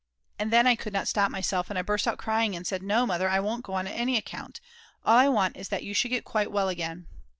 And then I could not stop myself, and I burst out crying and said: "No, Mother, I won't go on any account. All I want is that you should get quite well again."